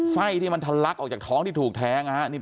ที่มันทะลักออกจากท้องที่ถูกแทงนะครับ